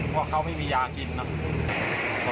เขาก็ไม่มีหยากกินน้ำนะครับ